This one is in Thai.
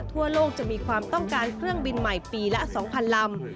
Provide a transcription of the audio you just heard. ทั่วโลกจะมีความต้องการเครื่องบินใหม่ปีละ๒๐๐๐ลำ